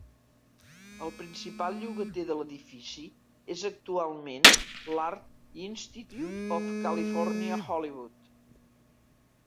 El principal llogater de l'edifici és actualment l'Art Institute of California-Hollywood.